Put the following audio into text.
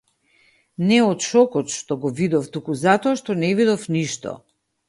Не од шокот што го видов, туку затоа што не видов ништо.